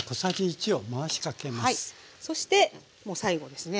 そしてもう最後ですね